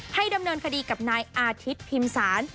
ดำเนินคดีกับนายอาทิตย์พิมพ์ศาล